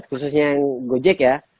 khususnya yang gojek ya